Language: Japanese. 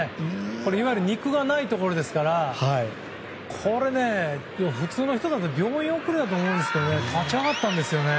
いわゆる肉がないところですから普通の人だったら病院送りだと思うんですけど立ち上がったんですよね。